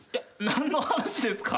何の話ですか？